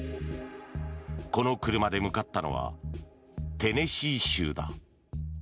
この車で向かったのはテネシー州だ。